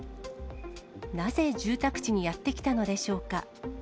なぜ住宅地にやって来たのでしょうか。